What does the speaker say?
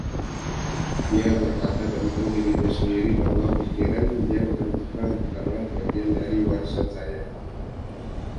Dia berkata tentang dirinya sendiri bahwa, “Pikiran yang terbuka bukanlah bagian dari warisan saya.